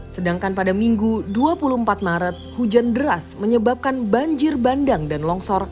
sedangkan pada minggu dua puluh empat maret hujan deras menyebabkan banjir bandang dan longsor